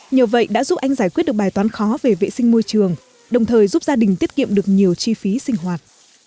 nhờ vậy đã giúp anh giải quyết được bài toán khó về vệ sinh môi trường đồng thời giúp gia đình tiết kiệm được nhiều chi phí sinh hoạt